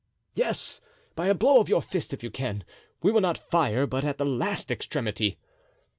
"Yes, by a blow of your fist, if you can; we will not fire but at the last extremity."